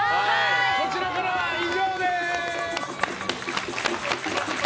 こちらからは以上です。